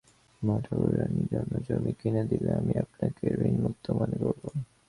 মা-ঠাকুরাণীর জন্য জমি কিনে দিলে আমি আপনাকে ঋণমুক্ত মনে করব।